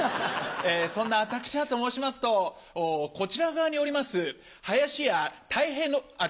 そんな私はと申しますとこちら側におります林家たい平のあっ。